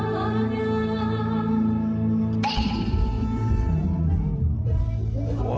ใจไม่อยู่ใจไม่อยู่